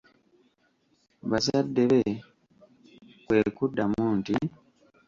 Bazadde be kwekuddamu nti,